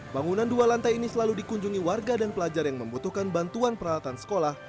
bangunan dua lantai ini selalu dikunjungi warga dan pelajar yang membutuhkan bantuan peralatan sekolah